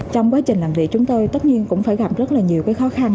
trong quá trình làm việc chúng tôi tất nhiên cũng phải gặp rất là nhiều khó khăn